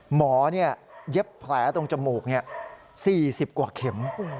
เย็บแผลตรงจมูก๔๐กว่าเข็ม